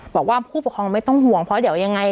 บอกว่าผู้ปกครองไม่ต้องห่วงเพราะเดี๋ยวยังไง